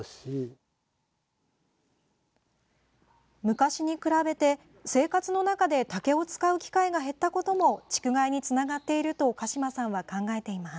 昔に比べて、生活の中で竹を使う機会が減ったことも竹害につながっていると鹿嶋さんは考えています。